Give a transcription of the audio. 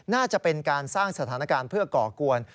น่าจะเป็นการสร้างสถานการณ์เพื่อก่อกวน